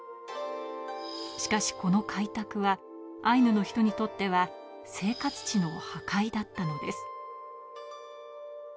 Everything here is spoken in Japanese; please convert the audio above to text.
しかしこの開拓はアイヌの人にとっては生活地の破壊だったのです。